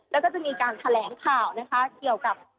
แล้วก็จะมีการแถลงข่าวนะคะเกี่ยวกับ